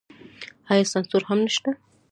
آیا سانسور هم نشته؟